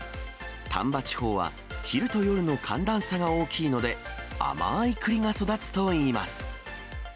丹波地方は昼と夜の寒暖差が大きいので、甘い栗が育つといいます。